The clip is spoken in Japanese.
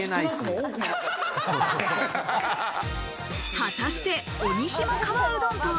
果たして、鬼ひも川うどんとは？